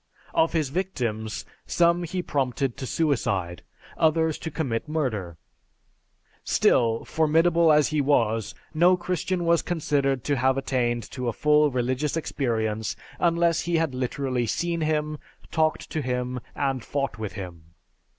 Of his victims, some he prompted to suicide, others to commit murder. Still, formidable as he was, no Christian was considered to have attained to a full religious experience unless he had literally seen him, talked to him, and fought with him.